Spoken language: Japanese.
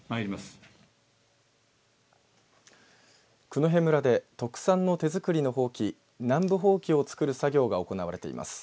九戸村で特産の手作りのほうき南部ほうきを作る作業が行われています。